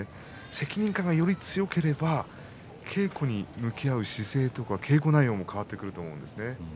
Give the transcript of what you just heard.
責任感がより強ければ稽古に向き合う姿勢とか稽古内容が変わってくると思うんですね。